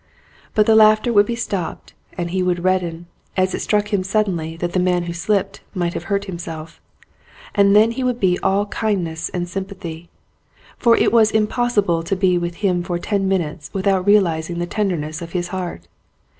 But the laughter would be stopped, and he would redden, as it struck him suddenly that the man who slipped might have hurt himself, and then he would be all kindness and sympathy. For it was impossible to be with him for ten minutes without realising the tenderness of his heart.